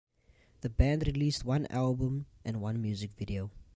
The band released one album and one music video.